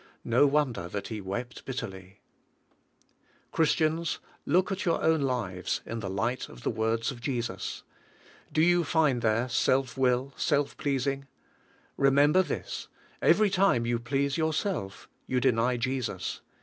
No wonder that he wept bitterl3^ Christians, look at your own lives in the light of the words of Jesus. Do you find there self will, self pleasing? Remember this: every time you please yourself, you deny Jesus.